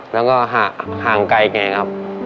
แล้วก็ห่างไกลแกครับ